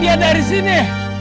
keluarkan dia dari sini